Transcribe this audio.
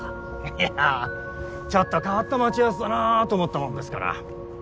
いやちょっと変わった待ち合わせだなぁと思ったもんですから。